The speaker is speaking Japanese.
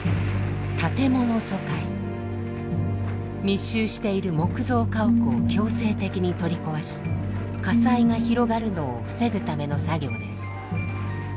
密集している木造家屋を強制的に取り壊し火災が広がるのを防ぐための作業です。